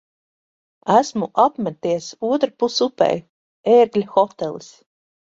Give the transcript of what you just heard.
Esmu apmeties otrpus upei. "Ērgļa hotelis".